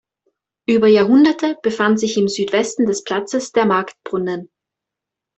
Über Jahrhunderte befand sich im Südwesten des Platzes der Marktbrunnen.